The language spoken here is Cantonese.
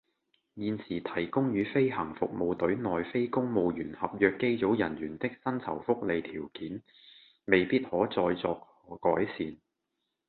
現時提供予飛行服務隊內非公務員合約機組人員的薪酬福利條件，未必可再作改善